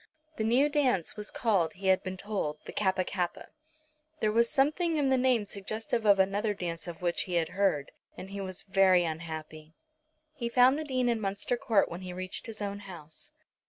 The new dance was called, he had been told, the Kappa kappa. There was something in the name suggestive of another dance of which he had heard, and he was very unhappy. He found the Dean in Munster Court when he reached his own house.